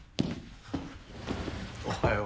おはよう。